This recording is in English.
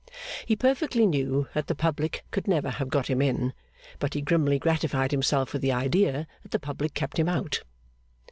He perfectly knew that the public could never have got him in, but he grimly gratified himself with the idea that the public kept him out.